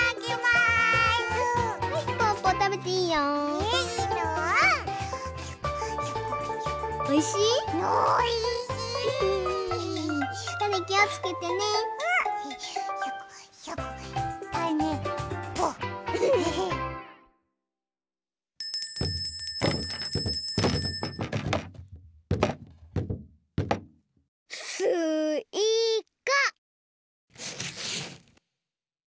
すいか。